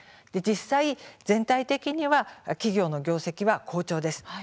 実際、全体的には企業の業績は好調です。